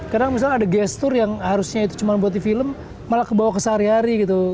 kadang misalnya ada gestur yang harusnya itu cuma buat di film malah kebawa ke sehari hari gitu